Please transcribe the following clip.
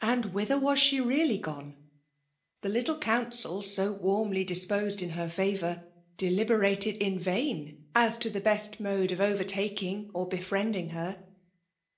And whither was she really gone? The little council so warmly disposed in her fa vour, deliberated in vain as to the best mode 270 FEBIALE DOMINATION. of overtaking or bcfriendiBg her.